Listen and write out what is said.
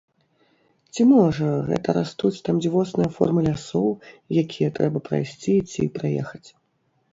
Ці можа гэта растуць там дзівосныя формы лясоў, якія трэба прайсці ці праехаць?